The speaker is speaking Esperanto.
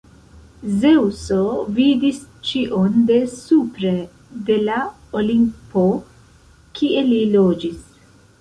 Zeŭso vidis ĉion de supre, de la Olimpo, kie li loĝis.